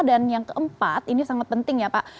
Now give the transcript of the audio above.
dan yang keempat ini sangat penting ya pak